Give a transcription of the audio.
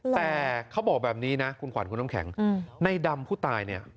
แต่เขาบอกแบบนี้นะคุณขวัญคุณน้ำแข็งในดำผู้ตายเนี่ย